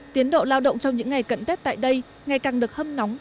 tiến độ lao động trong những ngày cận tết tại đây ngày càng được hâm nóng